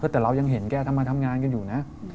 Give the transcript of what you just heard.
แต่เรายังเห็นแกทำงานกันอยู่นะ